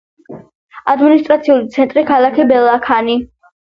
ადმინისტრაციული ცენტრია ქალაქი ბელაქანი.